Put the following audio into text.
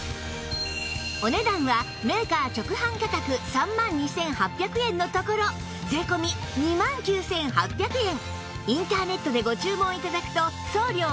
お値段はメーカー直販価格３万２８００円のところ税込２万９８００円約３００万円。